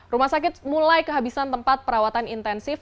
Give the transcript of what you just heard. rumah sakit mulai kehabisan tempat perawatan intensif